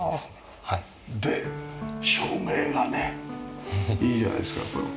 で照明がねいいじゃないですかこれは。